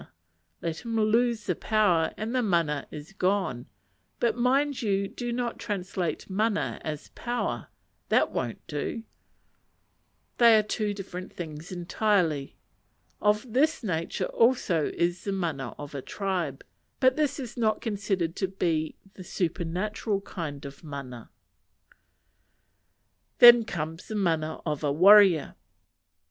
Let him lose the power, and the mana is gone. But mind you do not translate mana as power; that won't do: they are two different things entirely. Of this nature also is the mana of a tribe; but this is not considered to be the supernatural kind of mana. Then comes the mana of a warrior.